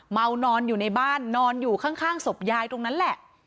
เมานอนอยู่ในบ้านนอนอยู่ข้างศพยายตรงนั้นแหละ